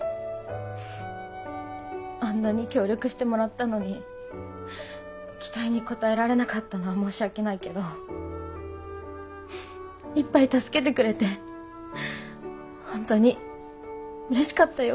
あんなに協力してもらったのに期待に応えられなかったのは申し訳ないけどいっぱい助けてくれて本当にうれしかったよ。